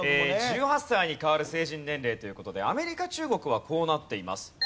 １８歳に変わる成人年齢という事でアメリカ中国はこうなっています。